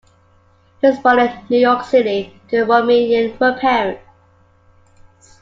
He was born in New York City to Romanian parents.